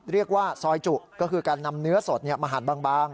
เรียกว่าซอยจุก็คือการนำเนื้อสดมาหั่นบาง